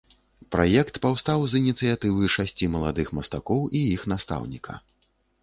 Праект паўстаў з ініцыятывы шасці маладых мастакоў і іх настаўніка.